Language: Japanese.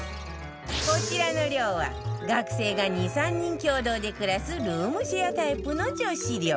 こちらの寮は学生が２３人共同で暮らすルームシェアタイプの女子寮